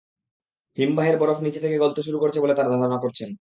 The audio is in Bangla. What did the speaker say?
হিমবাহের বরফ নিচে থেকে গলতে শুরু করেছে বলে তাঁরা ধারণা করছেন।